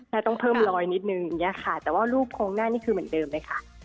แล้วต้องเพิ่มรอยนิดนึงอย่างนี้ค่ะแต่ว่ารูปโครงหน้านี่คือเหมือนเดิมเลยค่ะ